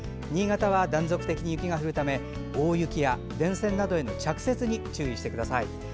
新潟は断続的に雪が降るため大雪や電線などへの着雪に注意してください。